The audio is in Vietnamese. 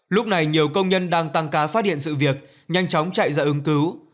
lúc này nhiều công nhân đang tăng ca phát hiện sự việc nhanh chóng chạy ra ứng cứu